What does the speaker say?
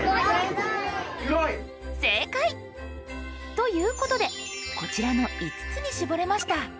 正解！ということでこちらの５つに絞れました。